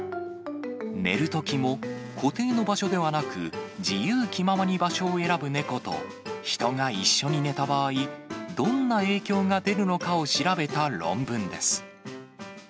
寝るときも固定の場所ではなく、自由気ままに場所を選ぶ猫と人が一緒に寝た場合、どんな影響が出るのかを調べた論文です。